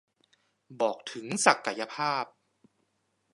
บอกถึงศักยภาพ